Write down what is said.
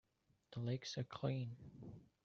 The legs are clean.